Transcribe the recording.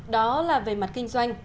đó là về mặt kinh doanh